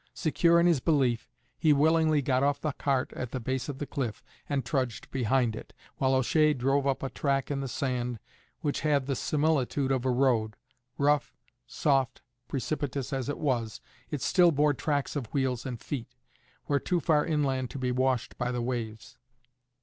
Secure in his belief, he willingly got off the cart at the base of the cliff, and trudged behind it, while O'Shea drove up a track in the sand which had the similitude of a road; rough, soft, precipitous as it was, it still bore tracks of wheels and feet, where too far inland to be washed by the waves.